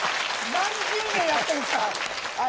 何十年やってるんですか！